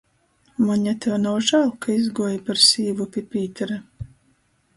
Moņa, tev nav žāļ, ka izguoji par sīvu pi Pītera?